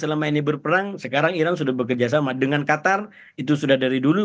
selama ini berperang sekarang irang sudah bekerjasama dengan qatar itu sudah dari dulu